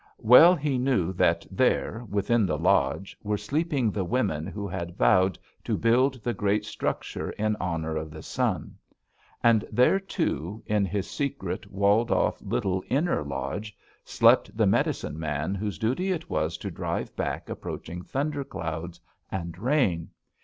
"Well he knew that there, within the lodge, were sleeping the women who had vowed to build the great structure in honor of the sun. And there, too, in his secret, walled off little inner lodge, slept the medicine man whose duty it was to drive back approaching thunderclouds and rain.